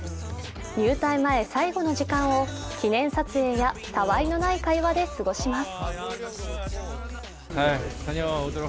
入隊前、最後の時間を記念撮影や他愛のない会話で過ごします。